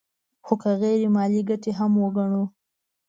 خو که غیر مالي ګټې هم وګڼو